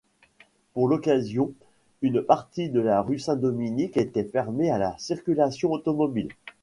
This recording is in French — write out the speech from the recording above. Pour l'occasion, une partie de la rue St-Dominique était fermée à la circulation automobile.